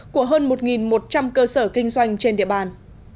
của hơn một một trăm linh cơ sở kinh doanh trên địa bàn